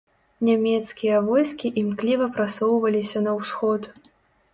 Нямецкія войскі імкліва прасоўваліся на ўсход.